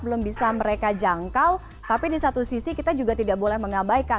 belum bisa mereka jangkau tapi di satu sisi kita juga tidak boleh mengabaikan